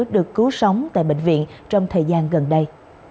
được cứu sống tại bệnh viện trong thời gian gần đây